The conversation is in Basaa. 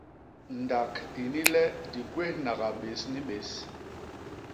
Ndak ini le di gwéhnaga bés ni bés.